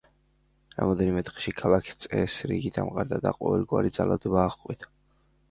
რამდენიმე დღეში ქალაქში წესრიგი დაამყარა და ყოველგვარი ძალადობა აღკვეთა.